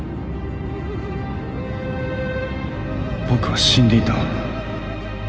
僕は死んでいた